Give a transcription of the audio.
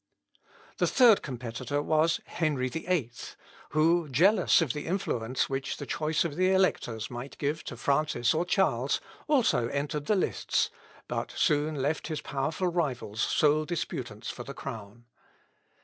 The third competitor was Henry VIII, who, jealous of the influence which the choice of the electors might give to Francis or Charles, also entered the lists, but soon left his powerful rivals sole disputants for the crown.